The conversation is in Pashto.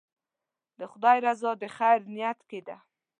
د خدای رضا د خیر نیت کې ده.